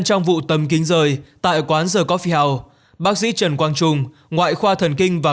trong vụ tâm kính rơi tại quán the coffee house bác sĩ trần quang trung ngoại khoa thần kinh và